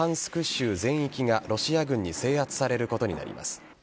州全域がロシア軍に制圧されることになります。